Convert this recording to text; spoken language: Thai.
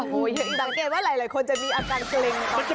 โอ้โหเยี่ยมดังเกตว่าหลายคนจะมีอาการเคร่งในความสูง